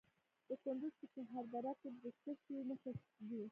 د کندز په چهار دره کې د څه شي نښې دي؟